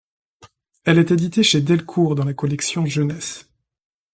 Elle est éditée chez Delcourt dans la collection Jeunesse.